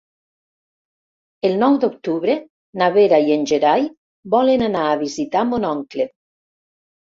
El nou d'octubre na Vera i en Gerai volen anar a visitar mon oncle.